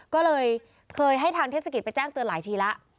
ก็เลยเคยให้ทางเทศกิจไปแจ้งเตือนหลายทีแล้ว